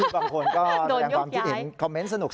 บางคนก็แสดงความคิดเห็นคอมเมนต์สนุก